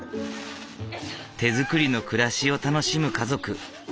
手作りの暮らしを楽しむ家族。